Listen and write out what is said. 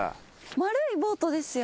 丸いボートですよ